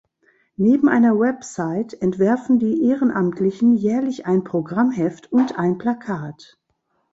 Neben einer Website entwerfen die Ehrenamtlichen jährlich ein Programmheft und ein Plakat.